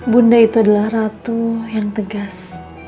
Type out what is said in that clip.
bunda itu adalah ratu yang tegas